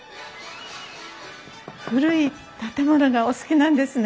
古い建物がお好きなんですね？